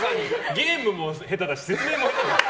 ゲームも下手だし説明も下手。